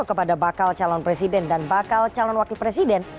kepada bakal calon presiden dan bakal calon wakil presiden